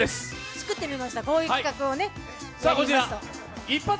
作ってみました、こういう企画を。